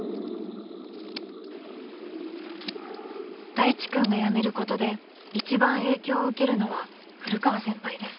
［らいち君が辞めることで一番影響を受けるのは古川先輩です］